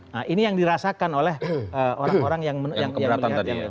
nah ini yang dirasakan oleh orang orang yang melihat